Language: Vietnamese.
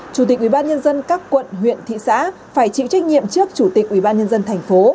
chủ tịch ubnd các quận huyện thị xã phải chịu trách nhiệm trước chủ tịch ubnd thành phố